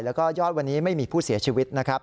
และยอดวันนี้ไม่มีผู้เสียชีวิต